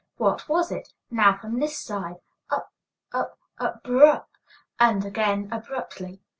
_ What was it? Now from this side, up up up br r r up up, and ending abruptly.